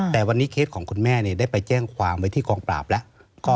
แต่วันนี้เคสของคุณแม่ได้ไปแจ้งความไว้ที่กองปราบแล้ว